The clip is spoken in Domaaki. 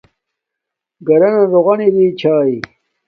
گھرانا روغن اری شھاݵ